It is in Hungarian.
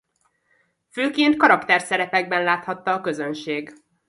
Főként karakterszerepekben láthatta a közönség.